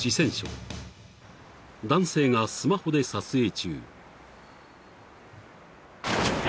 ［男性がスマホで撮影中］